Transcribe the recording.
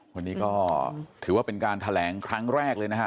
วันนี้ก็ถือว่าเป็นการแถลงครั้งแรกเลยนะฮะ